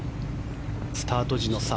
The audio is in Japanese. スタート時の差